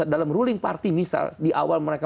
dalam ruling party misal di awal mereka